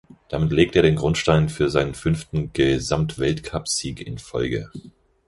Damit legte er den Grundstein für seinen fünften Gesamtweltcup-Sieg in Folge.